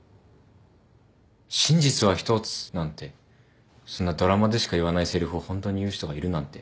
「真実は１つ」なんてそんなドラマでしか言わないせりふをホントに言う人がいるなんて。